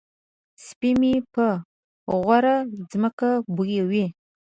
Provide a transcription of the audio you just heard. سپی مې په غور ځمکه بویوي.